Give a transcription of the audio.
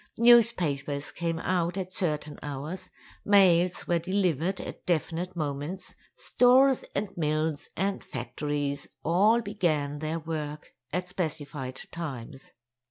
Newspapers came out at certain hours; mails were delivered at definite moments; stores and mills and factories all began their work at specified times.